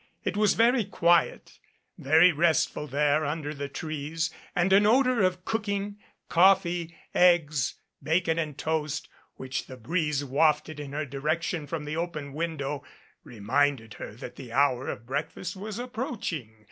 It was very quiet, very rest ful there under the trees and an odor of cooking coffee, eggs, bacon and toast which the breeze wafted in her direction from the open window reminded her that the hour of breakfast was approaching.